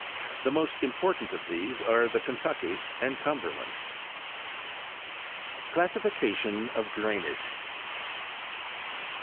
The most important of these are the Kentucky and Cumberland. ' CLASSIFICATION OF DRAINAGE.